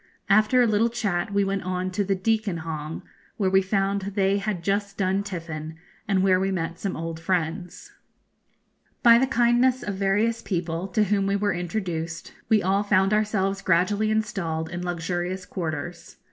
After a little chat we went on to the Deacon Hong, where we found they had just done tiffin, and where we met some old friends. By the kindness of various people, to whom we were introduced, we all found ourselves gradually installed in luxurious quarters.